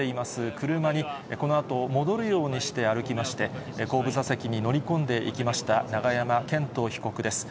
車に、このあと戻るようにして歩きまして、後部座席に乗り込んでいきました、永山絢斗被告です。